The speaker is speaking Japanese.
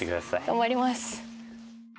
頑張ります。